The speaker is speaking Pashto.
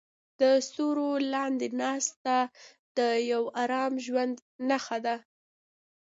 د ستورو لاندې ناسته د یو ارام ژوند نښه ده.